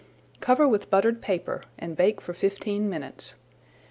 Cover with buttered paper and bake for fifteen minutes.